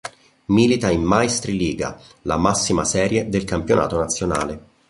Milita in Meistriliiga, la massima serie del campionato nazionale.